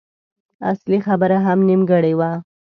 اصلي خبره هم نيمګړې وه.